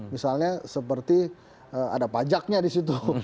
misalnya seperti ada pajaknya di situ